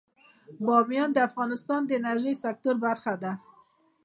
بامیان د افغانستان د انرژۍ سکتور برخه ده.